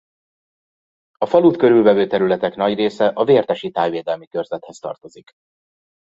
A falut körülvevő területek nagy része a Vértesi Tájvédelmi Körzethez tartozik.